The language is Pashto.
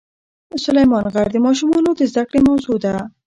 سلیمان غر د ماشومانو د زده کړې موضوع ده.